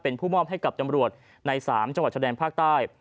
เป็นผู้มอบให้กับจำรวจใน๓จังหวัดชะแดนภาคใต้